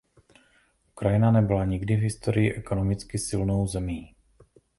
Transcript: Ukrajina nebyla nikdy v historii ekonomicky silnou zemí.